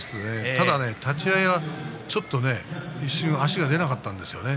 ただ立ち合いは、ちょっと一瞬足が出なかったんですよね。